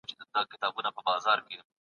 ساینس د سوزېدلي کاغذ لیکنه هم لوستلی سی.